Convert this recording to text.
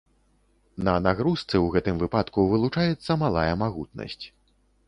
На нагрузцы ў гэтым выпадку вылучаецца малая магутнасць.